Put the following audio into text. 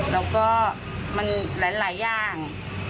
แล้วก็มันหลายอย่าง